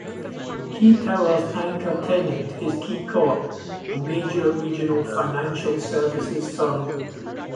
Key Tower's anchor tenant is KeyCorp, a major regional financial services firm.